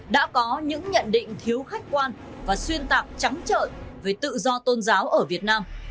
đã có những nhận định thiếu khách quan và xuyên tạc trắng trợi về tự do tôn giáo ở việt nam